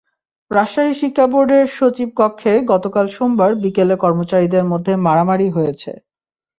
রাজশাহী শিক্ষা বোর্ডের সচিবের কক্ষে গতকাল সোমবার বিকেলে কর্মচারীদের মধ্যে মারামারি হয়েছে।